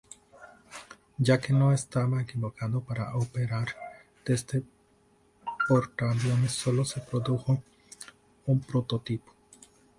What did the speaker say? Ya que no estaba equipado para operar desde portaaviones, solo se produjo un prototipo.